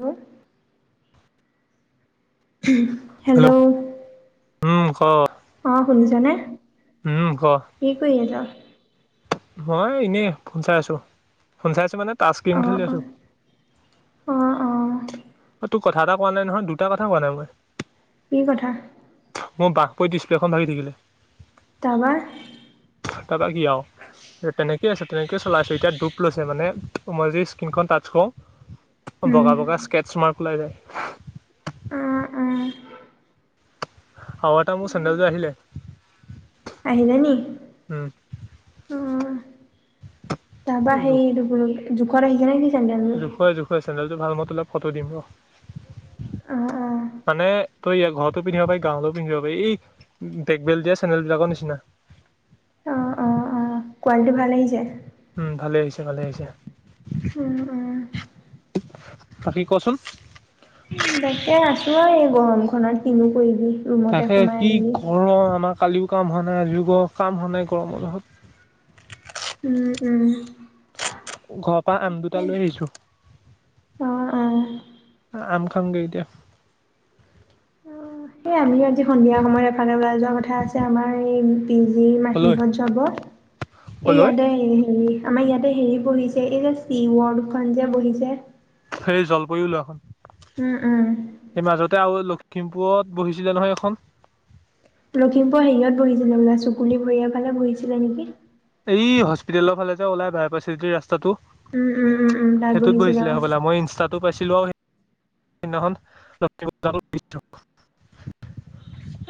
হু'? Hello? উম, ক? অ' শুনিছানে? উম, ক? কি কৰি আছ? মই এনেই ফোন চাই আছো, ফোন চাই আছো মানে তাচ গেম অ খেলি অ আছো। অ অ মই তোক কথা এটা কোৱা নাই নহয়, দুটা কথা কোৱা নাই মই। কি কথা? মোৰ বাঁহ পৰি ডিছপ্লেখন ভাগি থাকিলে। তাৰপা? তাৰপা কি আৰু? তেনেকৈয়ে আছে তেনেকৈয়ে চলাই আছো। এতিয়া ডোপ লৈছে মানে মই যদি স্কীনখন টাচ কৰো উম বগা বগা স্কেটছ মাৰ্ক ওলাই যায়। অ', অ'। ৱাআটৰ মোৰ চণ্ডেল যোৰ আহিলে। আহিলে নি? উম অ'। তাপা সেই এইটো কি বুলি কৈ জোখত আহি নেকি? জোখুৱে জোখুৱে চেনেলটো ভাল মতললে ফটো দিম ৰ অ মানে তই ইয়া ঘৰতো পিন্ধিব পাৰি গাঁৱলে পিন্ধিব পাৰি এই ডেগবেল যে চেনেল বিলাকৰ নিচিনা। অ অ অ কোৱালিটি ভাল আহিছে? উম ভালেই আহিছে ভালেই আহিছে। [unintelligible] বাকি কচোন? তাকে আছো আৰু এই গৰমখনত কিনো কৰিবি। ৰুমতে তাকে সোমাই কি মেলি গৰম আমাৰ কালিও কাম হোৱা নাই আজি গ কাম হোৱা নাই গৰমৰহত। উম উম। ঘৰৰ পৰা আম দুটা তাকে লৈ আহিছো। অ অ আম খাম গে এতিয়া। অ সেই আমি আজি সন্ধিয়া সময়ত এফালে ওলাই যোৱা কথা আছে আমাৰ এই কেজি কলৈ মাহিহত যাব, এই কলৈ ইয়াতে হেৰি আমাৰ ইয়াতে হেৰি বহিছে এই যে চি ৱৰ্ডখন যে বহিছে। সেই জলপৰি ওলোৱা খন। উম উম। সেই মাজতে আৰু লখিমপুৰত বহিছিলে নহয় এখন। লখিমপুৰ হেৰিয়ত বহিছিলে বোলে চুকুলি ভুঁঞা ফালে বহিছিলে নেকি। এই হস্পিতেলৰ ফালে যে ওলাই বাই পাইছেদি ৰাস্তাটো উম, উম, উম, উম, তাত সেইটোত বহিছিলে অ', হ'বলা মই ইনষ্টাতো পাইছিলো সেইদিনাখন [unintelligible]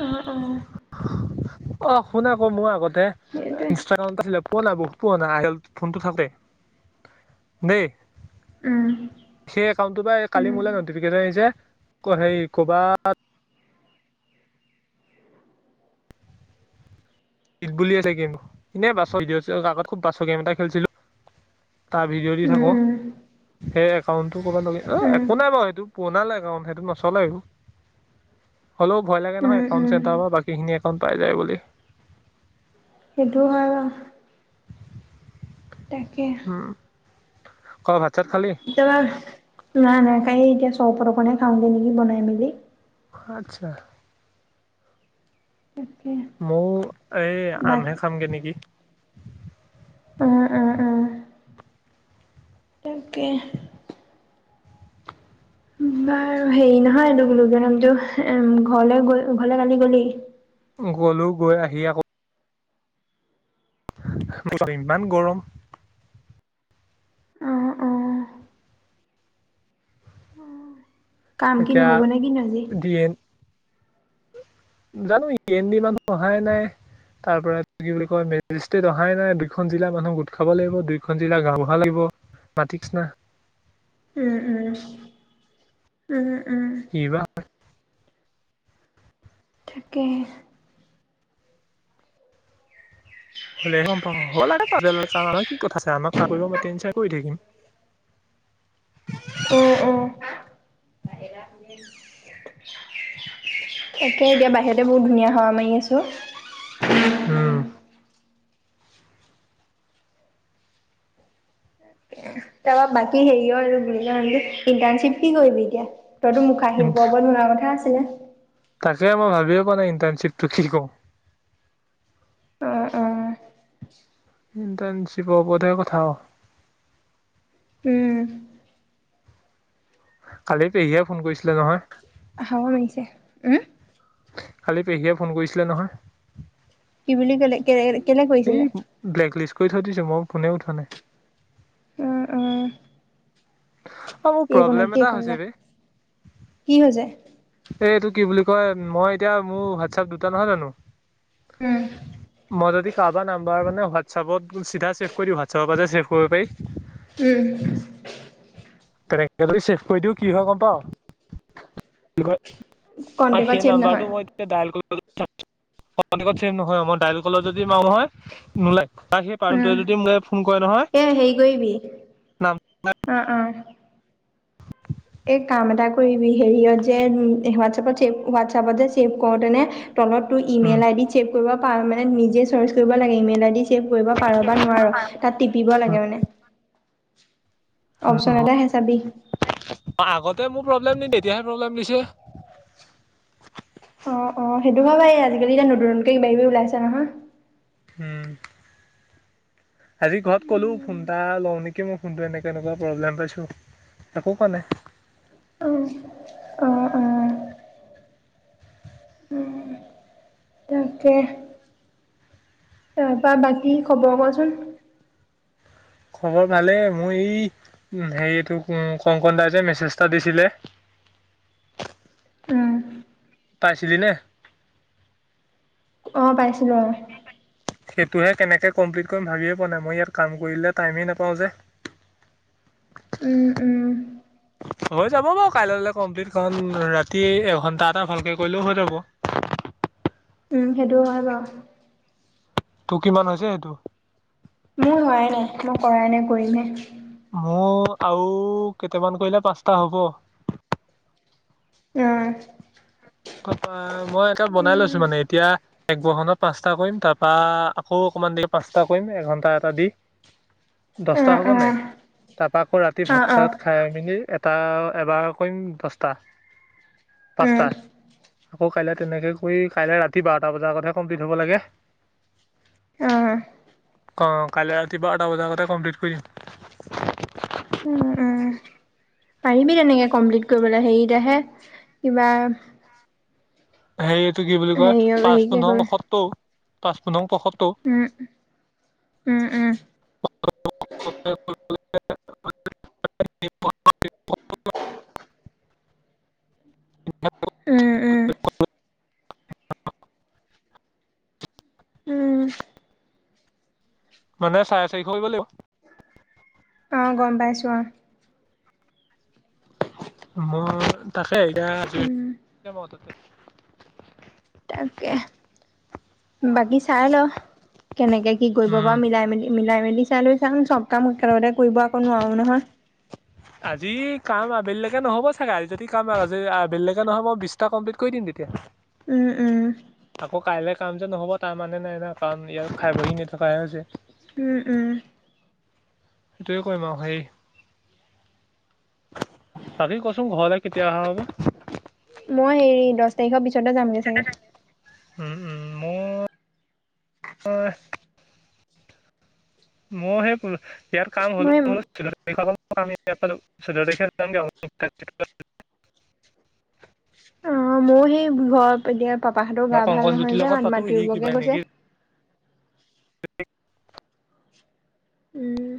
অহ অ। অ শুন আকৌ মোৰ আগতে সেইটোৱে। ইনষ্ট্ৰা গ্ৰাম পোৱনা বহুত পোৱা [unintelligible] ফোনটো থাকতে। দেই, উম, সেই একাউন্ত টো পা কালি উম, মোলৈ ন যে হেই কৰ'বাত গীত বুলি আছে কিন্তু, এনেই বাছ [unintelligible] আগত খুব বাছৰ গেম এটা খেলছিলো। তাৰ ভিডিঅ' দি উম, থাকোঁ। উম, সেই একাউণ্টটো কবাট লগিন, উম, একো নাই বাৰু সেইটো বনালে একাউণ্ট সেইটো নচলে একো। হ'লেও ভয় লাগে উম, নহয় একাউণ্ট উম। চেণ্টাৰ পা বাকী খিনি একাউণ্ট পাই যায় বুলি। সেইটো হয় ৰ তাকে উম, ক ভাত চাত খালি? কেতিয়াবা, নাই নাই তাই এতিয়া চৰবত খাওঁগে নেকি বনাই মেলি। আচ্ছা। তাকে মৌ এই বাক আমহে খামগে নিকি। অ অ তাকে বাৰু হেৰি নহয় [unintelligible] উম ঘৰলে গৈ ঘৰলে কালি গলি গ'লো গৈ আহি আকৌ [unintelligible] ইমান গৰম। অ অ কাম কি এতিয়া নহ'ব নে কি নাজি। ডি এন জানো ই এন দিনত অহাই নাই। তাৰ পৰা কি বুলি কয় মেজিষ্ট্ৰেট অহাই নাই দুইখন জিলা মানুহ গোট খাব লাগিব দুইোখন জিলা গাও বুঢ়া লাগিব [unintelligible] উম উম উম উম কি দিবা তাকে হ'লে গম প হ'ল কি কথা আছে আমাক কাপোৰ মই কৈ থাকিম অ অ একে এতিয়া বাহিৰতে বহুত ধুনীয়া বহুত ধুনীয়া হাৱা মাৰি আছে অ উম তাৰপৰা বাকী হেৰিও আৰু ইণ্টাৰ্ণশ্বিপ কি কৰিবি এতিয়া তইতো মোক আহি পাৱা পোৱাৰ কথা আছিলে তাকে মই ভাবিয়ে পোৱা নাই ইটাৰ্ণশ্বিপটো কি কৰোঁ অ অ তাকে ইণ্টাৰ্ণশ্বিপৰ ওপৰতহে কথা আও উম কালি পেহীয়ে ফোন কৰিছিলে নহয় হাৱ আহিছে উম কালি পেহীয়ে ফোন কৰিছিলে নহয় কি বুলি কলে কে এই ব্লেক লিষ্ট কৰি থৈ দিছে মোক ফোনে উঠোৱা নাই। উম অ মোৰ এইকণত প্ৰব্লেম এটা এইকণলে হৈছে বে কি হৈছে এই এইটো কি বুলি কয় মই এতিয়া মোৰ হোৱাটছআপ দুটা নহয় জানো উম মই যদি কাৰোবাৰ নাম্বাৰ মানে হোৱাটচএপত চিধা ছেভ কৰি দিওঁ হোৱাটচএপৰ পৰা ছেভ কৰিব পাৰি উম তেনেকে যদি ছেভ কৰি দিও কি হয় গম পাও কি হয় কন্টেকত সেই ছেভ নহয় নম্বাৰটো মই তেতিয়া ডাইল কৰিব অ এনেকে চেভ নহয় মই দাইল কলত যদি মাৰো হয় মোলোই সেই মানুহ কোনো উম যদি মোলৈ ফোন কৰে নহয় এ হেৰি কৰিবি নাম অ অ এই কাম এটা কৰিবি হেৰি যে হোৱাটছএপত ছেভ হোৱাটছপত যে ছেভ কৰোতেনে তলতো উম ইমেইল আই ডি ছেভ কৰিব পাৰে মানে নিজে চাৰ্চ কৰিব লাগে ইমেইল আই ডি ছেভ কৰিব পাৰে বা নোৱাৰ তাত টিপিব উম লাগে মানে অপশচন এটা হে চাবি অ আগতে মোৰ প্ৰব্লেম দি তেতিয়াহে প্ৰব্লেম দিছে। অ অ সেইটো হ ব এই আজালি এতি নতুন নতুন কিবি ওলাইছে নহয় উম আজি ঘৰত কলো ফোন এটা লওঁ নেকি মই ফোনটো এনেকে এনেকুৱা প্ৰব্লেম পাইছো একো কোৱা নাই অ অ অ তাকে তাৰ পৰা বাকী খবৰ কোৱাচোন খবৰ ভালে মোৰ এই হেৰি এইটো কংকন দা যে মেছেজ এটা দিছিলে উম তাই চিনিলে। অঁ পাইছিলোঁ অঁ। সেইটোহে কেনেকে কমপ্লিট কৰিম ভাবিয়ে পোৱা নাই মই ইয়াত কাম কৰিলে টাইমেই নাপাওঁ যে। উম উম। হৈ যাব বাৰু কাইলৈলো কমপ্লিট খ ৰাতি এঘন্টা এটা ভালকে কৰিলেও হৈ যাব। উম সেইটো হয় বাৰু। তোৰ কিমান হৈছে সেইটো? মোৰ হোৱাই নাই মই কৰাই নাই কৰিমহে। মোৰ আও কেইটামান কৰিলে পাঁচটা হব। উম। মই এটা বনাই লৈছো উম মানে এতিয়া। এক বৰষত পাঁচটা কৰিম তাৰ পৰা আকৌ অকমান দেৰি পাঁচটা কৰিম এঘণ্টা এটা দি। অ দচটা হ'ব অ নাই তাৰপা আকৌ ৰাতি অ ভাত অ চাতাত খাই মেলি টা এবাৰ কৰিম দহটা উম পাঁচটা। আকৌ কাইলে তেনেকে কৰি কাইলে ৰাতি বাৰটা বজাৰ আগতহে কমপ্লিট হ'ব লাগে। অ। অঁ' কাইলৈ ৰাতি বাৰটা বজাৰ আগতে কমপ্লিট কৰিম। উ উম পাৰিবি তেনেকে কমপ্লিট কৰিবলৈ হেৰিতাহে কিবা। হেৰি এইটো কি বুলি কয় হেৰি পাঁচ হেৰিকে পোন্ধৰ কৰি পয়সত্তৰ পাঁচ পোন্ধৰ পয়সত্তৰ। ওম উম উম। [unintelligible] উম উম। উম মানে চাৰে চাৰিশ কৰিব লাগিব। অঁ' গম পাইছোঁ অঁ' মই তাকে এতিয়া উম তাতে। তাকে বাকী চাই ল কেনেকে কি কৰিব উম পাৰ মিলাই মেলি। মিলাই মেলি চাই লৈ চাওঁ চব কাম একেলগতে কৰিব একো নোৱাৰোঁ নহয়। আজি কাম আবেলিলৈকে নহব চাগে আজি যদি কামজি আবেলিলৈকে নহব মই বিশটা কমপ্লিট কৰি দিম তেতিয়া। উম উম। আকৌ কাইলৈ কাম যে নহব তাৰ মানে নাই ন কাৰণ ইয়াৰ খাই বহি এনে থকাহে হৈছে। উম উম। সেইটোৱে কৰিম আৰু সেই বাকি কচোন ঘৰলৈ কেতিয়া অহা হ'ব? মই হেৰি দহ তাৰিখৰ পিছতে যামগে চাগে। উম উম। মোৰ [unintelligible] মই সেই ইয়াৰ কাম হ'লো মই নহলো [unintelligible] অঁ' মোৰ সেই ঘৰত এতিয়া পাপাহঁতৰ গা ভাল কংকনজ্যোতিৰ নহয় যে লগত মাত পাতো সি মাটি ৰোবগে কৈছে। তাকে। উম।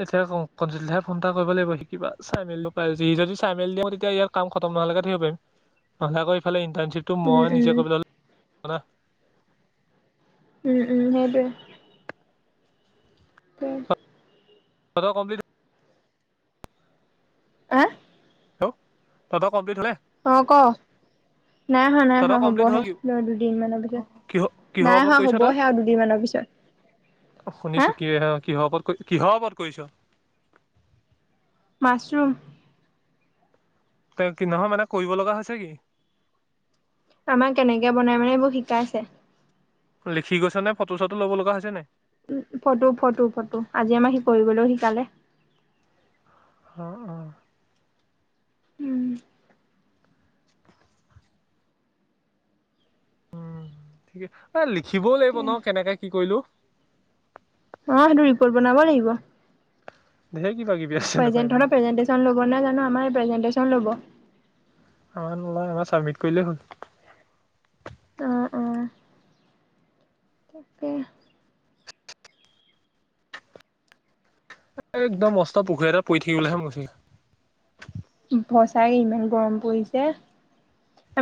এই এতিয়া ক কাহে ফোন এটা কৰিব লাগিব শিকিবা চাই মেলি ন পাই সি যদি চাই মেলি দিওঁ তেতিয়া ইয়াক কাম খতম নহ'লেকে থাকিব পাৰিম নহ'লে আকৌ ইফালে ইণ্টাৰ্ণশ্বিপটো উম মই উম নিজে কৰিবলৈ হ'ল উম উম সেইটোৱে। উম। সিহঁতৰ কমপ্লিত হা? হেল্ল' তহঁতৰ কমপ্লিট হ'লনে? অ', ক' নাই আহা, নাই তহঁতৰ অহা কমপ্লিট হ'ল হ'বহে, ল'ৰা দুদিন মানৰ পিছত কিহ কিহৰ নাই ওপৰত হোৱা, কৰিছ হ'বহে আৰু দুদিনমানৰ পিছত। হা শুনিছো, কি, কিহৰ ওপৰত, কিহৰ ওপৰত কৰিছ? মাছৰুম। তে, কি নহয় মানে, কৰিব লগা হৈছে কি? আমাক কেনেকে বনাই মানে এইবোৰ শিকাইছে। লিখি গৈছে নে, ফটো চটো ল'ব লগা হৈছে নাই? উম, ফটো, ফটো, ফটো, আজি আমাৰ শি, কৰিবলৈও শিকালে। অ'। উম। উম, কি, লিখিবও লাগিব অ ন' কেনেকে কি কৰিলো। অ', সেইটো ৰিপৰ্ট বনাব লাগিব। আছে কিবা কিবি আছে দেখোন এইবিলাক প্ৰেজেন্টেচন ল'ব নাই জানো, আমাৰ প্ৰেজেন্টেচন ল'ব। আমাৰ নলয়, আমাৰ চাবমিট কৰিলেই হ'ল। অ', অ'। তাকে। এ, একদম মষ্ট পুখুৰী এটা পৰি থাকিবলেহে ম ভচাই ইমান গৰম পৰিছে।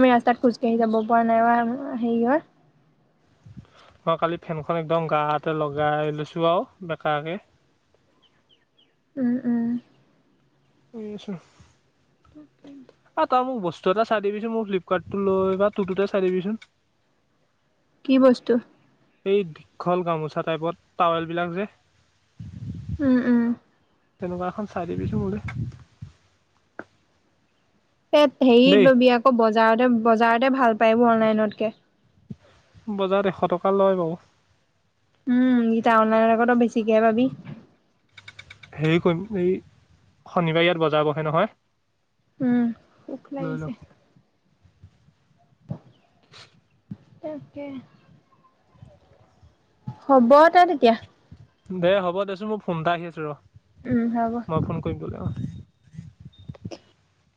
আমি ৰাস্তাত খোজকাঢ়ি যাব পৰা নাই বা হেৰি হয়। মই কালি ফেনখন একদম গাতে লগাই লৈছোঁ আৰু বেকাকৈ। উম, উম। শুই আছো। তাকে। অ', তই মোক বস্তু এটা চাই দিবিচোন, মোৰ ফ্লিপকাৰ্ট টো লৈ বা তোৰ তাতে চাই দিবিচোন। কি বস্তু? এই, দীঘল গামোচা টাইপত, টাৱেল বিলাক যে। উম, উম। তেনেকুৱা এখন চাই দিবিচোন মোলে। এ, হেৰি দেই ল'বি আকৌ বজাৰতে, বজাৰতে ভাল পায় এইবোৰ অনলাইনতকে। বজাৰত এশ টকা লয় বাৰু। উম, এতিয়া অনলাইনৰ আকৌ বেছিকেহে পাবি। হেৰি কৰিম এই, শনিবাৰে ইয়াত বজাৰ বহে নহয়। উম, ভোগ লৈ লাগিছে। ল'ম তাকে। হ'ব দে তেতিয়া। দে হ'ব দেচোন, মোৰ ফোন এটা আহি আছ ৰ'। উম, হ'ব। মই ফোন কৰিম। [unintelligible]